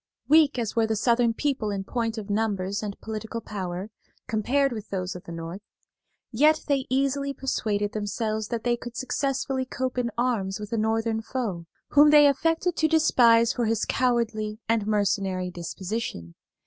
Weak as were the Southern people in point of numbers and political power, compared with those of the North, yet they easily persuaded themselves that they could successfully cope in arms with a Northern foe, whom they affected to despise for his cowardly and mercenary disposition.